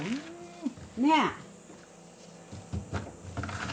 ねえ。